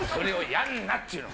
やんなっちゅうの。